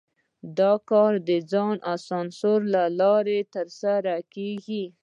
دا کار د ځان سانسور له لارې ترسره کېږي.